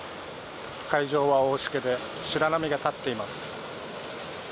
海上は大しけで白波が立っています。